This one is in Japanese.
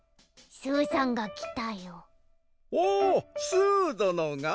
スーどのが？